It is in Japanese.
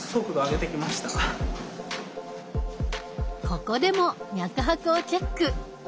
ここでも脈拍をチェック！